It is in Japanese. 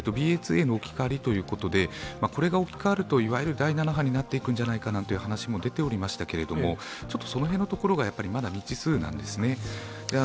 ＢＡ．２への置き換わりということで、こちらに置き換わるといわゆる第７波になってくるんじゃないかなという話も出ていましたけれどもその辺のところがまだ未知数なんですね。